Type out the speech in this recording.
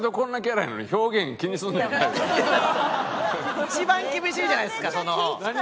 割と一番厳しいじゃないですか。